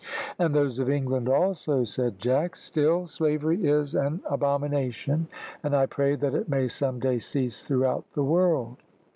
"And those of England, also," said Jack. "Still slavery is an abomination, and I pray that it may some day cease throughout the world."